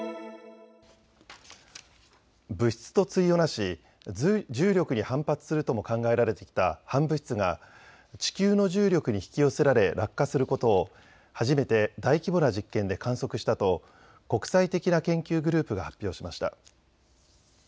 物質と対をなし重力に反発するとも考えられてきた反物質が地球の重力に引き寄せられ落下することを初めて大規模な実験で観測したと国際的な研究グループが発表しました。